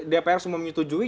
dpr semua menyetujui